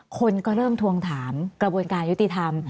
คนก็เริ่มทวงถามกระบวนการยุติธรรม